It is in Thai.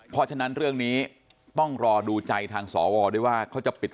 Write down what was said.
เพราะฉะนั้นเรื่องนี้ต้องรอดูใจทางสวด้วยว่าเขาจะปิด